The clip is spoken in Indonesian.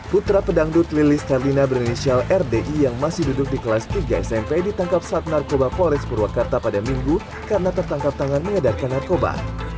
putra pedangdut lilis ferdina berinisial rdi yang masih duduk di kelas tiga smp ditangkap saat narkoba polres purwakarta pada minggu karena tertangkap tangan mengedarkan narkoba